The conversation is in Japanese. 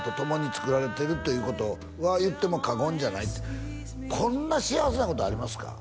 「つくられてるということは言っても過言じゃない」ってこんな幸せなことありますか？